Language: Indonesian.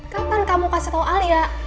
kapan kamu kasih tahu alia